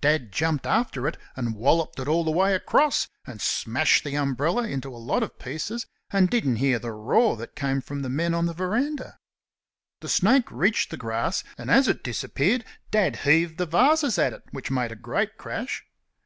Dad jumped after it and walloped it all the way across, and smashed the umbrella into a lot of pieces, and didn't hear the roar that came from the men on the verandah. The snake reached the grass, and as it disappeared Dad heaved the vases at it, which made a great crash.